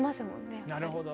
なるほど。